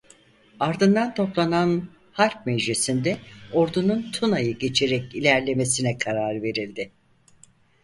Ardından toplanan harp meclisinde ordunun Tuna'yı geçerek ilerlemesine karar verildi.